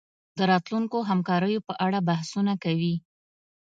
د راتلونکو همکاریو په اړه بحثونه کوي